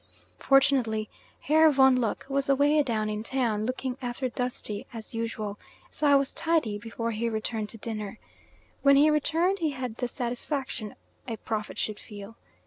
Fortunately, Herr von Lucke was away down in town, looking after duty as usual, so I was tidy before he returned to dinner. When he returned he had the satisfaction a prophet should feel.